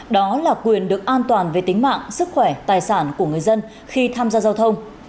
đó là quyền được an toàn về tính mạng sức khỏe tài sản của người dân khi tham gia giao thông